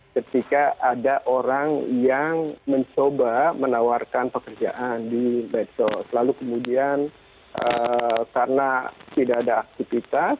ketika ada orang yang mencoba menawarkan pekerjaan di medsos lalu kemudian karena tidak ada aktivitas